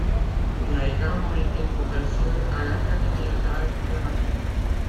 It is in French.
Il a également été professeur à l'Accademia d'Arte Drammatica.